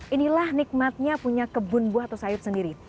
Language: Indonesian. inilah nikmatnya punya kebun buah atau sayur sendiri